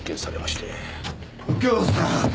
右京さん